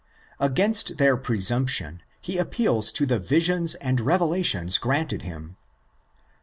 Against their presumption he appeals to the visions and revelations granted him (xii.